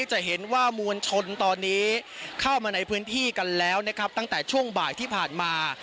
จะเห็นว่ามวลชนตอนนี้เข้ามาในพื้นที่กันแล้วนะครับตั้งแต่ช่วงบ่ายที่ผ่านมา